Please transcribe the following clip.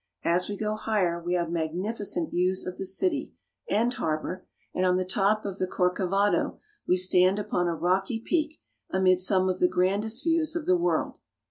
As we go higher we have magnificent views of the city and harbor, and on the top of the Corcovado we stand upon a rocky peak, amid some of the grandest views of the world.